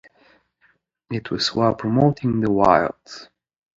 It was while promoting the Wild!